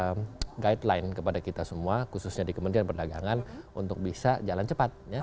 kita guideline kepada kita semua khususnya di kementerian perdagangan untuk bisa jalan cepat